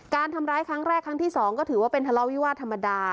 การทำร้ายครั้งแรกครั้งที่๒ก็ถือว่าเป็นทะเลาวิวาสธรรมดา